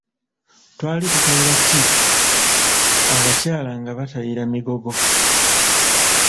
Twali tutaayira tie, Abakyala nga bataayira migogo.